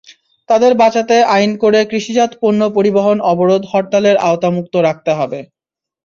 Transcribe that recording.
তাঁদের বাঁচাতে আইন করে কৃষিজাত পণ্য পরিবহন অবরোধ-হরতালের আওতামুক্ত রাখতে হবে।